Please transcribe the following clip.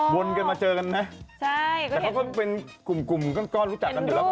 วนกันมาเจอกันไหมแต่เขาก็เป็นกลุ่มก็รู้จักกันอยู่แล้ว